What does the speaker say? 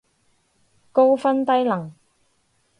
高分低能